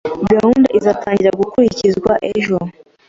Gahunda izatangira gukurikizwa ejo.